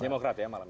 demokrat ya malam ini